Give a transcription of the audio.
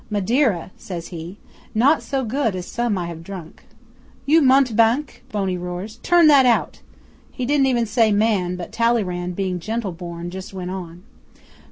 '"Madeira," says he. "Not so good as some I have drunk." '"You mountebank!" Boney roars. "Turn that out." (He didn't even say "man," but Talleyrand, being gentle born, just went on.)